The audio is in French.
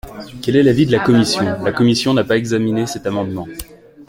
Quel est l’avis de la commission ? La commission n’a pas examiné cet amendement.